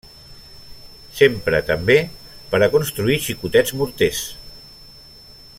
S'empra també per a construir xicotets morters.